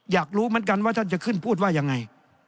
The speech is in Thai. อยากรู้เหมือนกันว่าท่านจะขึ้นพูดว่ายังไง